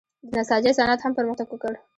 د نساجۍ صنعت هم پرمختګ وکړ.